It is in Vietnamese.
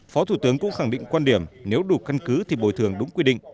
phó thủ tướng cũng khẳng định quan điểm nếu đủ căn cứ thì bồi thường đúng quy định